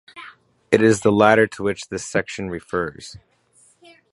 It is the latter to which this section refers.